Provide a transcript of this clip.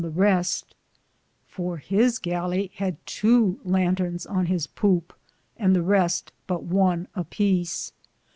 the reste, for his gallie had tow lanthorns on his poupe, and the reste but one a peece.